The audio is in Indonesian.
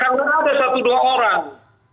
nah karena ada satu dua orang